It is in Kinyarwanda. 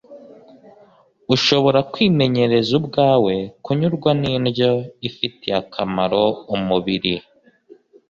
ushobora kwimenyereza ubwawe kunyurwa n'indyo ifitiye akamaro umubiri